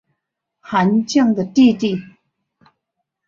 韩绛的弟弟。